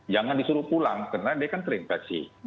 jangan disuruh pulang karena dia kan terinfeksi